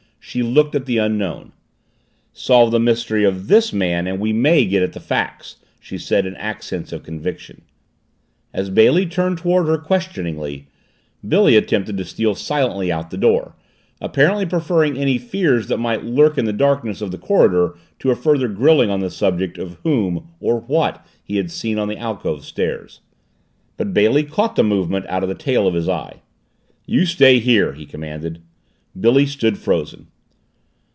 She looked at the Unknown. "Solve the mystery of this man and we may get at the facts," she said in accents of conviction. As Bailey turned toward her questioningly, Billy attempted to steal silently out of the door, apparently preferring any fears that might lurk in the darkness of the corridor to a further grilling on the subject of whom or what he had seen on the alcove stairs. But Bailey caught the movement out of the tail of his eye. "You stay here," he commanded. Billy stood frozen.